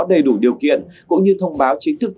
đầy đủ điều kiện cũng như thông báo chính thức